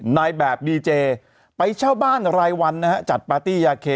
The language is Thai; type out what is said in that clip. นายแบบดีเจไปเช่าบ้านรายวันนะฮะจัดปาร์ตี้ยาเค